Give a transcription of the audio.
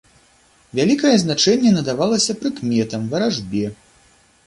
Вялікае значэнне надавалася прыкметам, варажбе.